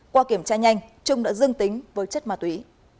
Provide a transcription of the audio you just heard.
qua kiểm tra nhanh trung đã dưng tính với chất ma túy